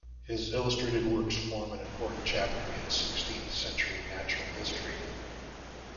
His illustrated works form an important chapter in sixteenth century natural history.